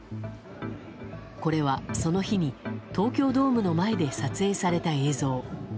これはその日に東京ドームの前で撮影された映像。